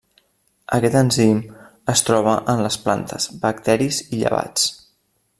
Aquest enzim es troba en les plantes, bacteris i llevats.